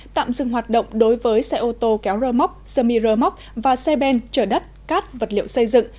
tạm dừng hoạt động đối với xe ô tô kéo rơ móc sơ mi rơ móc và xe ben chở đất cát vật liệu xây dựng